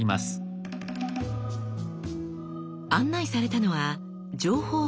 案内されたのは情報コーナー。